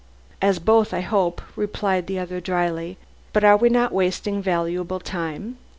"As both, I hope," replied the other dryly, "but are we not wasting valuable time?